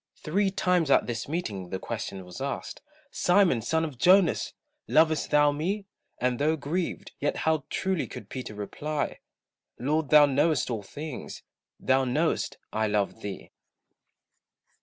Three times at this meeting the question was asked, "Simon, son of Jonas, lovest thou me?" And though grieved, yet how truly could Peter reply, "Lord thou knowest all things, thou know'st I love thee."